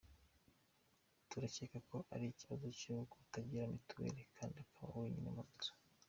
Turakeka ko ari ikibazo cyo kutagira Mitiweri kandi akaba wenyine mu nzu.